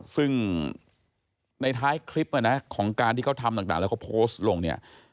ซึ่งในท้ายคลิปของการที่เขาทำต่างแล้วเขาโพสต์ลงเนี่ย